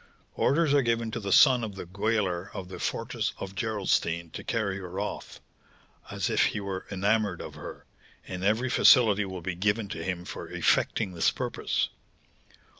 Orders are given to the son of the gaoler of the fortress of Gerolstein to carry her off, as if he were enamoured of her, and every facility will be given to him for effecting this purpose.